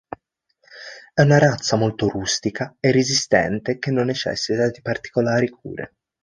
È una razza molto rustica e resistente che non necessita di particolari cure.